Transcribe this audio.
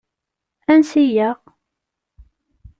Ansi-aɣ?